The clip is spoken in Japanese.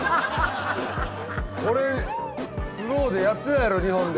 これスローでやってないやろ日本で。